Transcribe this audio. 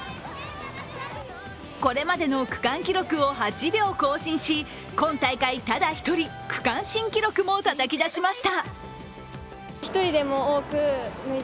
これまでの区間記録を８秒更新し、今大会ただ１人、区間新記録もたたき出しました。